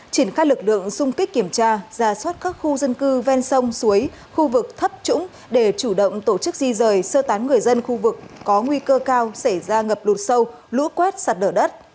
triển khai lực lượng xung kích kiểm tra ra soát các khu dân cư ven sông suối khu vực thấp trũng để chủ động tổ chức di rời sơ tán người dân khu vực có nguy cơ cao xảy ra ngập lụt sâu lũ quét sạt lở đất